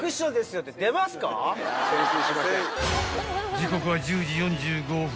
［時刻は１０時４５分